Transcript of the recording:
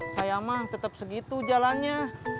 saya mah tetap segitu jalannya